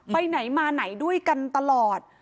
ไปไหนมาไหนด้วยกันตลอด